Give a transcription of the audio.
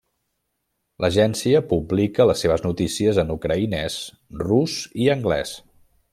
L'agència publica les seves notícies en ucraïnès, rus i anglès.